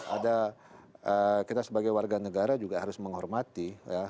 ada kita sebagai warga negara juga harus menghormati